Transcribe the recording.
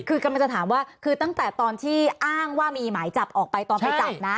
คือกำลังจะถามว่าคือตั้งแต่ตอนที่อ้างว่ามีหมายจับออกไปตอนไปจับนะ